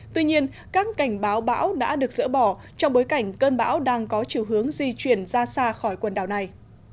tuy nhiên các cảnh báo bão đã được dỡ bỏ trong bối cảnh cơn bão đang có chiều hướng di chuyển ra xa khỏi quần đảo này